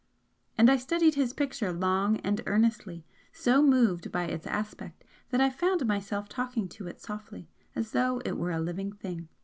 And I studied his picture long and earnestly, so moved by its aspect that I found myself talking to it softly as though it were a living thing.